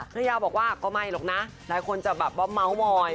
ณยาวบอกว่าก็ไม่หรอกนะเดี๋ยวคนเปล่าบ๊อบเม้อมอย